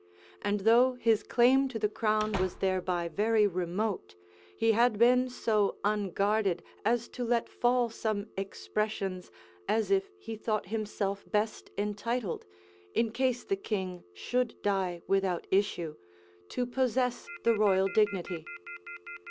and though his claim to the crown was thereby very remote, he had been so unguarded as to let fall some expressions, as if he thought himself best entitled, in case the king should die without issue, to possess the royal dignity.